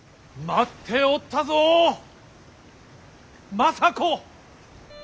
待っておったぞ政子！